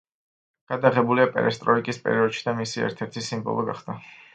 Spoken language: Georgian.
გადაღებულია „პერესტროიკის“ პერიოდში და მისი ერთ-ერთი სიმბოლო გახდა.